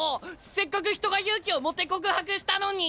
せっかく人が勇気を持って告白したのに！